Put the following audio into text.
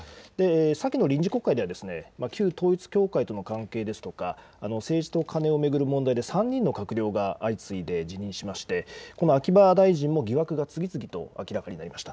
先の臨時国会では旧統一教会との関係ですとか、政治とカネを巡る問題で３人の閣僚が相次いで辞任しまして秋葉大臣も疑惑が次々と明らかになりました。